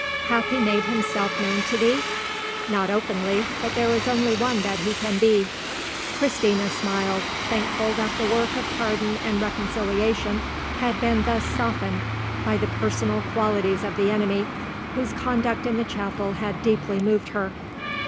"Hath he made himself known to thee?" "Not openly, but there is only one that he can be." Christina smiled, thankful that the work of pardon and reconciliation had been thus softened by the personal qualities of the enemy, whose conduct in the chapel had deeply moved her.